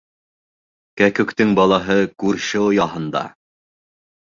Кәкүктең балаһы күрше ояһында.